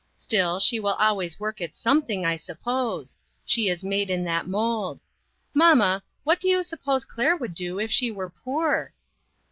Still, she will always work at something, I suppose ; she is made in that mold. Mamma, what do you sup pose Claire would do if she were poor?"